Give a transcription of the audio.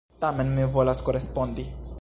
Tamen mi volas korespondi.